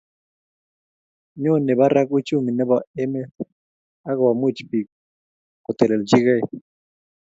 Nyone barak uchumi nebo emet ak komuch bik kotelelchikei